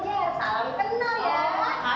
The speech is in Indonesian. kerenal apa yang mama kakak